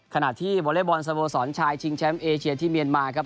ขณะที่วอเล็กบอลสโมสรชายชิงแชมป์เอเชียที่เมียนมาครับ